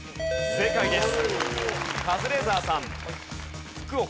正解です。